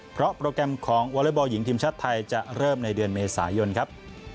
เพราะโปรแกรมของวอเล็กบอลหญิงทีมชาติไทยจะเริ่มในเดือนเมษายนครับ